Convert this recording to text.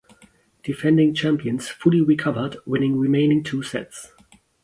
Defending champions fully recovered winning remaining two sets.